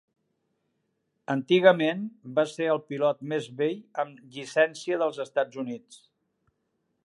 Antigament, va ser el pilot més vell amb llicència dels Estats Units.